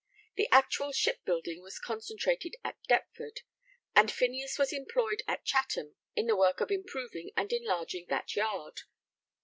The actual shipbuilding was concentrated at Deptford, and Phineas was employed at Chatham in the work of improving and enlarging that yard.